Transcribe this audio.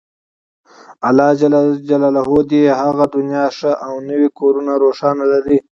الله ﷻ دې يې هغه دنيا ښه او نوی کور روښانه لري